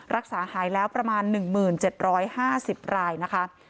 รักษาหายแล้วประมาณ๑๗๕๐รายนะคะ